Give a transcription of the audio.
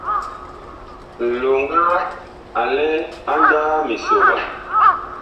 Nloŋga a lɛ a ndaaa misoɓan.